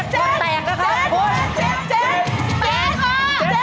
ถ้าถูกพร้อมตำแหน่งนี้นะครับ